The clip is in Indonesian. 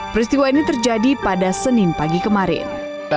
peristiwa ini terjadi pada senin pagi kemarin